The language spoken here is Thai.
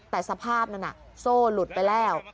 แต่สภาพนั้นโซ่หลุดไปแล้ว